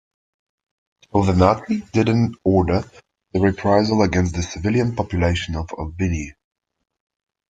So the nazi didn't order the reprisal against the civilian popolutation of Albinea.